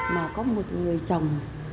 mà có một người chồng